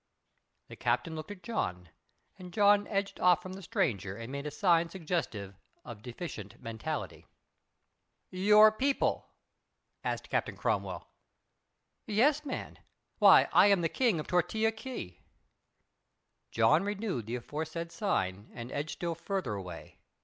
The Captain looked at John and John edged off from the stranger and made a sign suggestive of deficient mentality. "Your people?" asked Captain Cromwell. "Yes, man. Why, I am the King of Tortilla Key." John renewed the aforesaid sign and edged still farther away.